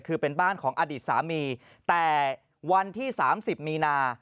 คือเป็นบ้านของอดีตสามีแต่วันที่๓๐มีนา